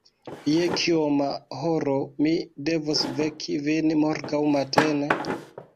Je kioma horo mi devos veki vin morgaŭ matene?